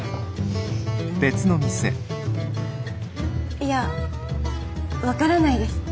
いや分からないです。